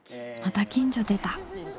また近所でた！